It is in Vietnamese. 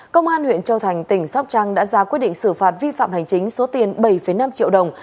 công an huyện châu thành tỉnh sóc trăng đã ra quyết định xử phạt vi phạm hành chính số tiền bảy năm triệu đồng